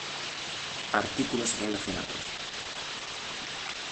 Artículos relacionados: